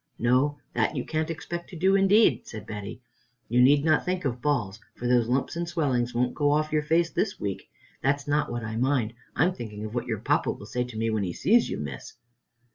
"No, that you can't expect to do, indeed," said Betty. "You need not think of balls, for those lumps and swellings won't go off your face this week. That's not what I mind; I'm thinking of what your papa will say to me when he sees you, miss."